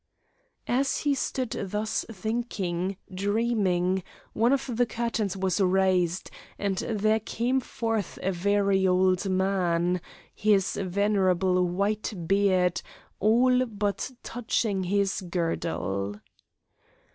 As he stood thus thinking, dreaming, one of the curtains was raised, and there came forth a very old man, his venerable white beard all but touching his girdle.